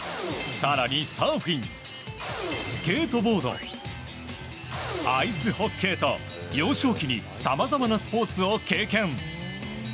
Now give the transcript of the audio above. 更にサーフィン、スケートボードアイスホッケーと幼少期にさまざまなスポーツを経験。